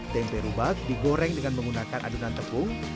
tempe rubak digoreng dengan menggunakan adonan tepung